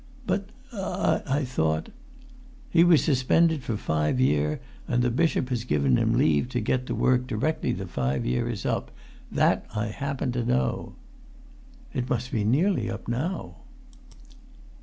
"But—I thought——" "He was suspended for five year, and the bishop has given him leave to get to work directly the five year is up. That I happen to know." "It must be nearly up now!"